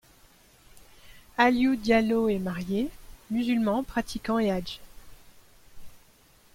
Aliou Diallo est marié, musulman pratiquant et Hadj.